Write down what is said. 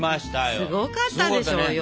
すごかったでしょうよ